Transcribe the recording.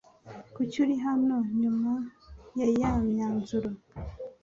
Kuki uri hano nyuma yayamyanzuro